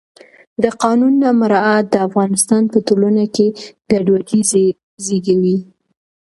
د قانون نه مراعت د افغانستان په ټولنه کې ګډوډي زیږوي